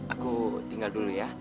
aku tinggal dulu ya